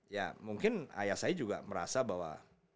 ya mungkin ayah saya juga merasa bahwa